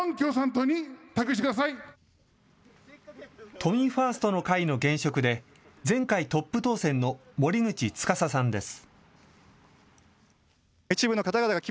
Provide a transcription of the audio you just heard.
都民ファーストの会の現職で前回、トップ当選の森口つかささんです。